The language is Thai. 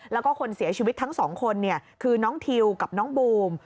แล้วก็คนเสียชีวิตทั้งสองคนคือน้องทิวกับน้องบูม